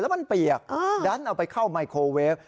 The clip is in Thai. แล้วมันเปียกดันเอาไปเข้าไมโครเวฟ